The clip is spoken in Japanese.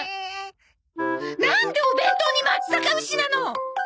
なんでお弁当に松阪牛なの！？